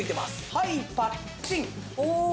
はいパッチン！